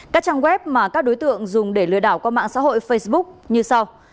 các trang web mà các đối tượng dùng để lừa đảo qua mạng xã hội facebook như sau